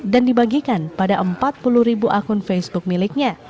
dan dibagikan pada empat puluh ribu akun facebook miliknya